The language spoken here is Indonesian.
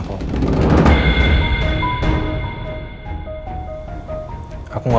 aku gak mau bikin elsa sengsara